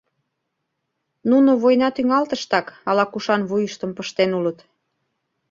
Нуно война тӱҥалтыштак ала-кушан вуйыштым пыштен улыт.